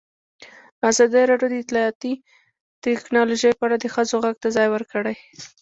ازادي راډیو د اطلاعاتی تکنالوژي په اړه د ښځو غږ ته ځای ورکړی.